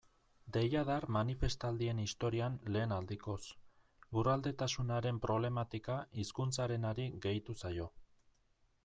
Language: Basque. Deiadar manifestaldien historian lehen aldikoz, lurraldetasunaren problematika hizkuntzarenari gehitu zaio.